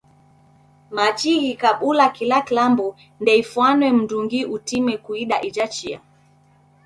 Machi ghikabula kila kilambo ndeifwane mndungi utime kuida ija chia.